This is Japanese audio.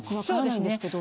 そうですね。